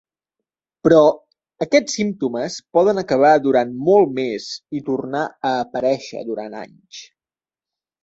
Però, aquests símptomes poden acabar durant molt més i tornar a aparèixer durant anys.